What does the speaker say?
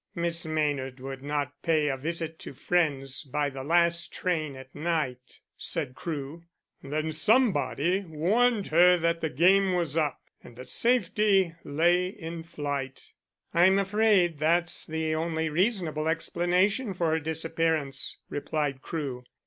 "Miss Maynard would not pay a visit to friends by the last train at night," said Crewe. "Then somebody warned her that the game was up and that safety lay in flight." "I'm afraid that's the only reasonable explanation for her disappearance," replied Crewe.